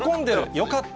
よかった。